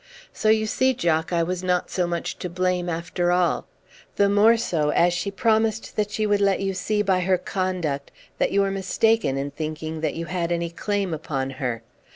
So you see, Jock, I was not so much to blame, after all: the more so as she promised that she would let you see by her conduct that you were mistaken in thinking that you had any claim upon her.